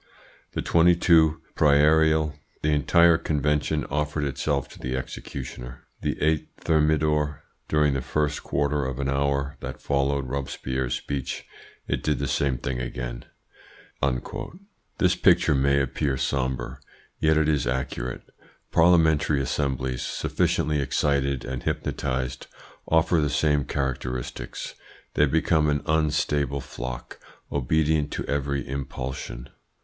The 22 Prairial the entire Convention offered itself to the executioner; the 8 Thermidor, during the first quarter of an hour that followed Robespierre's speech, it did the same thing again." This picture may appear sombre. Yet it is accurate. Parliamentary assemblies, sufficiently excited and hypnotised, offer the same characteristics. They become an unstable flock, obedient to every impulsion.